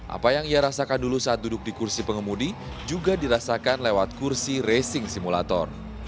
apa yang ia rasakan dulu saat duduk di kursi pengemudi juga dirasakan lewat kursi racing simulator